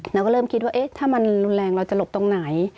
เราก็เริ่มคิดว่าถ้ามันรุนแรงเราจะหลบตรงไหน